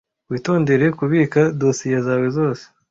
Witondere kubika dosiye zawe zose.